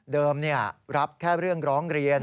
รับแค่เรื่องร้องเรียน